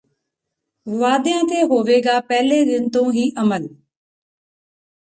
ਵਾਅਦਿਆਂ ਤੇ ਹੋਵੇਗਾ ਪਹਿਲੇ ਦਿਨ ਤੋਂ ਹੀ ਅਮਲ